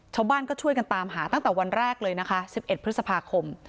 ชาวบ้านก็ช่วยกันตามหาตั้งแต่วันแรกเลยนะคะ๑๑พฤษภาคม